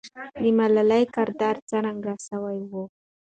د ملالۍ کردار څرګند سوی وو.